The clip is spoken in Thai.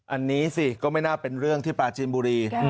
อันนี้สิก็ไม่น่าเป็นเรื่องที่ปลาจีนบุรี